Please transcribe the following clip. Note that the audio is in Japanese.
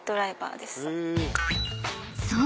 ［そう］